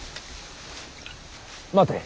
待て。